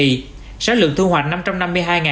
tại một số tỉnh vùng đồng bằng sông cửu long